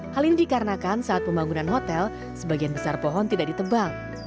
hal ini dikarenakan saat pembangunan hotel sebagian besar pohon tidak ditebang